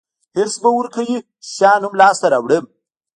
حرص به ورکوي چې شیان هم لاسته راوړم.